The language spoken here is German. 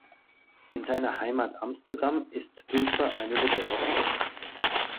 In seiner Heimat Amsterdam ist Dulfer eine Legende.